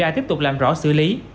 tiếp tục làm rõ xử lý